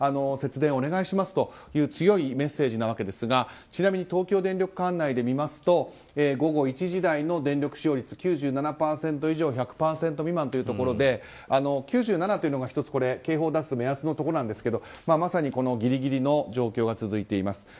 節電お願いしますという強いメッセージなわけですがちなみに東京電力管内で見ますと午後１時台の電力使用率９７％以上１００％未満というところで９７というのが１つ警報を出す目安のところなんですがまさにギリギリの状況が続いています。